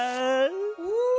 お。